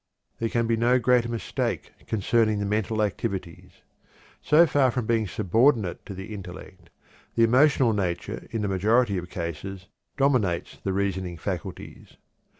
There can be no greater mistake concerning the mental activities. So far from being subordinate to the intellect, the emotional nature in the majority of cases dominates the reasoning faculties.